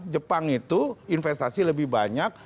jepang itu investasi lebih banyak